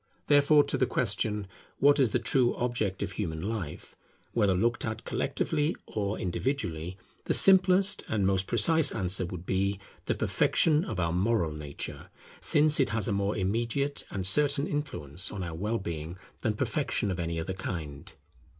Therefore to the question, What is the true object of human life, whether looked at collectively or individually? the simplest and most precise answer would be, the perfection of our moral nature; since it has a more immediate and certain influence on our well being than perfection of any other kind.